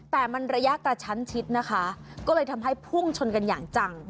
แต่มันระยะกระชั้นชิดนะคะก็เลยทำให้พุ่งชนกันอย่างจัง